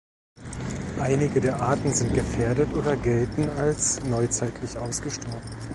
Einige der Arten sind gefährdet oder gelten als neuzeitlich ausgestorben.